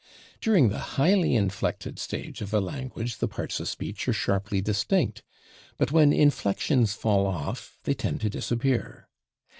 During the highly inflected stage of a language the parts of speech are sharply distinct, but when inflections fall off they tend to disappear.